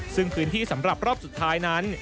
ซึ่งพื้นที่สำหรับรอบสุดท้ายนั้น